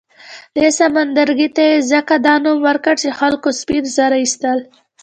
دې سمندرګي ته یې ځکه دا نوم ورکړ چې خلکو سپین زر اېستل.